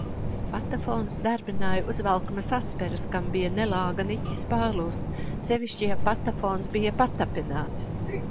Patafonus darbināja uzvelkamas atsperes, kam bija nelāga niķis pārlūzt, sevišķi, ja patafons bija patapināts.